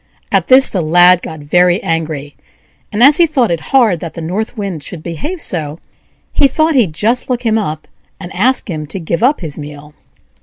At this the Lad got very angry; and as he thought it hard that the North Wind should behave so, he thought he'd just look him up, and ask him to give up his meal.